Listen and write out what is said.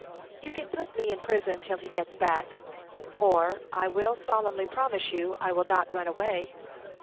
"You can put me in prison till he gets back; or I will solemnly promise you I will not run away."